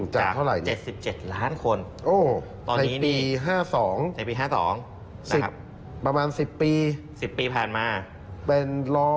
จาก๗๗ล้านคนในปี๕๒ปี๑๐ปีประมาณ๑๓๗